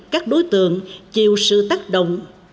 các đối tượng chịu sự tác động